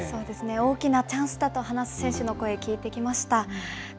大きなチャンスだと話す選手の声、聞いてきました。